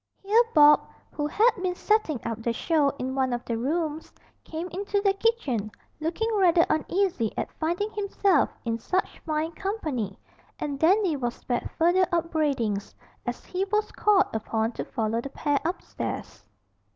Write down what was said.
Here Bob, who had been setting up the show in one of the rooms, came into the kitchen, looking rather uneasy at finding himself in such fine company, and Dandy was spared further upbraidings, as he was called upon to follow the pair upstairs.